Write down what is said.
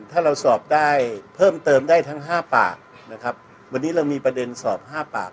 ถ้าเราสอบได้เพิ่มเติมได้ทั้งห้าปากนะครับวันนี้เรามีประเด็นสอบห้าปาก